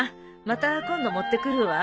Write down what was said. また今度持ってくるわ。